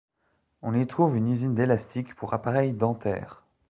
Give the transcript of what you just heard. On y trouve une usine d'élastiques pour appareils dentaires.